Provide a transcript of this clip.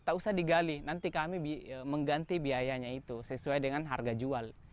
tak usah digali nanti kami mengganti biayanya itu sesuai dengan harga jual